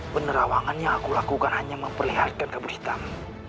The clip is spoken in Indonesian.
penerawangan yang aku lakukan hanya memperlihatkan kabut hitam